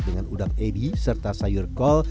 dengan udang ebi serta sayur kol